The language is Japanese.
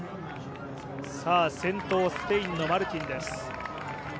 先頭、スペインのマルティンです。